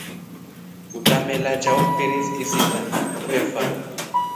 Utemela chao mfiri isata wefa.